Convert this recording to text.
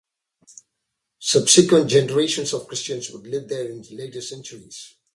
Subsequent generations of Christians would live there in later centuries.